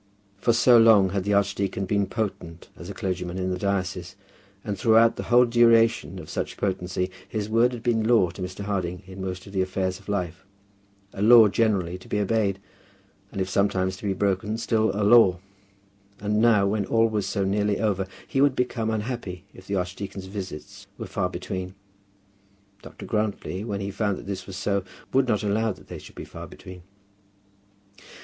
For so long had the archdeacon been potent as a clergyman in the diocese, and throughout the whole duration of such potency his word had been law to Mr. Harding in most of the affairs of life, a law generally to be obeyed, and if sometimes to be broken, still a law. And now, when all was so nearly over, he would become unhappy if the archdeacon's visits were far between. Dr. Grantly, when he found that this was so, would not allow that they should be far between.